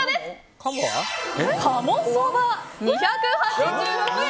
鴨そば、２８６円。